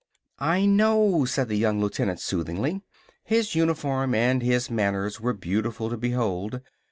"I know," said the young lieutenant soothingly. His uniform and his manners were beautiful to behold.